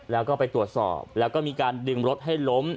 แล้วก็ไปตรวจสอบแล้วก็มีการดึงรถให้ล้ม